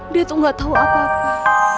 dia tuh gak tahu apa apa